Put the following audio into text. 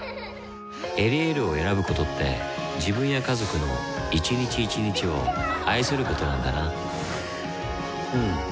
「エリエール」を選ぶことって自分や家族の一日一日を愛することなんだなうん。